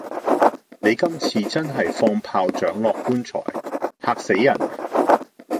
你今次真係放炮仗落棺材——嚇死人呀！